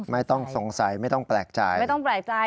ไม่ต้องสงสัยไม่ต้องแปลกใจ